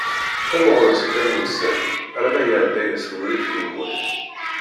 Qqim ɣur-s kra n wussan, alamma iɛedda-as wurrif i gma-k.